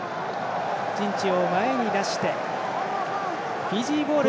陣地を前に出してフィジーボール。